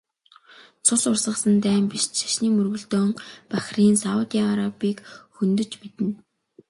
Цус урсгасан дайн биш ч шашны мөргөлдөөн Бахрейн, Саудын Арабыг хөндөж мэднэ.